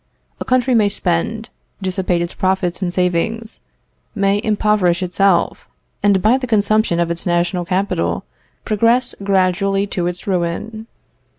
A country may spend, dissipate its profits and savings, may impoverish itself, and by the consumption of its national capital, progress gradually to its ruin.